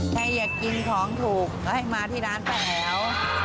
ใครอยากกินของถูกก็ให้มาที่ร้านไปแล้ว